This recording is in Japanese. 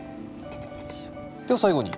では最後に。